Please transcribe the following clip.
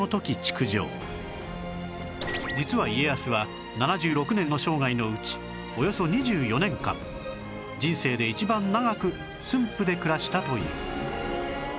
実は家康は７６年の生涯のうちおよそ２４年間人生で一番長く駿府で暮らしたという